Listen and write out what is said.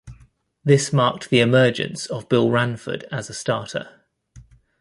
This marked the emergence of Bill Ranford as a starter.